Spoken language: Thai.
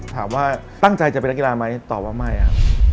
ถามว่าตั้งใจจะเป็นนักกีฬาไหมตอบว่าไม่ครับ